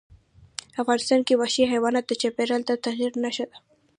افغانستان کې وحشي حیوانات د چاپېریال د تغیر نښه ده.